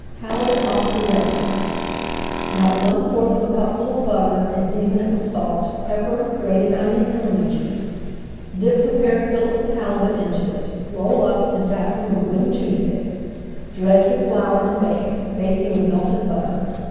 HALIBUT à LA POULETTE Melt one fourth of a cupful of butter, and season it with salt, pepper, grated onion, and lemon juice. Dip prepared fillets of halibut into it, roll up, and fasten with a wooden toothpick. Dredge with flour and bake, basting with melted butter.